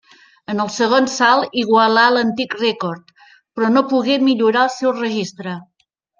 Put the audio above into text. En el segon salt igualà l'antic rècord, però no pogué millorar el seu registre.